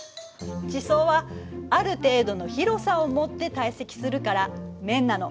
地層はある程度の広さをもって堆積するから面なの。